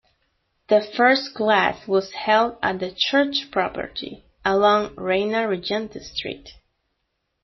The first class was held at a church property along Reina Regente Street.